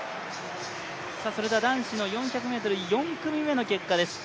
それでは男子の４００ｍ、４組目の結果です。